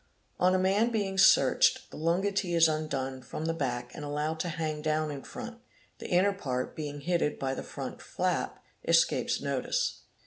_ "Ona man being searched, the lungotee is undone from the back and 'allowed to hang down in front, the inner part, being hidden by the front flap, escapes notice.